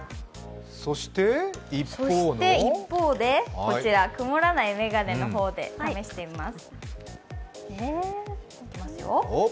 そして一方で、こちら曇らない眼鏡で試してみます。